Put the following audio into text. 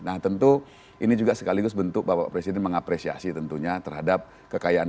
nah tentu ini juga sekaligus bentuk bapak presiden mengapresiasi tentunya terhadap kekayaan